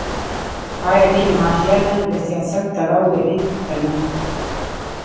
ایا دین ماهیتاً له سیاست تړاو لري که نه